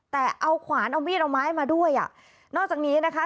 แต่เอาขวานเอามีดเอาไม้มาด้วยอ่ะนอกจากนี้นะคะ